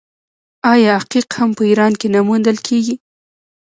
آیا عقیق هم په ایران کې نه موندل کیږي؟